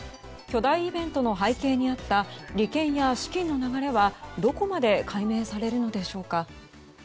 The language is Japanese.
巨大イベントの背景にあった利権や資金の流れはどこまで解明されるのでしょうか。